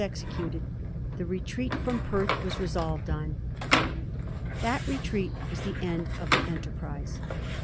executed, the retreat from Perth was resolved on. That retreat was the end of the enterprise.